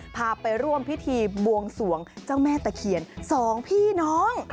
พาไปร่วมพิธีบวงสวงเจ้าแม่ตะเคียน๒พี่น้อง